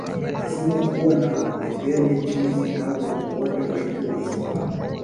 Lazima kuwe na Wandebele nchini Zimbabwe na wote waitwe Wazimbabwe